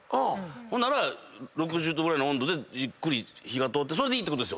ほんなら６０℃ぐらいの温度でゆっくり火が通ってそれでいいってことですよね？